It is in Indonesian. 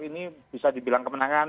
ini bisa dibilang kemenangan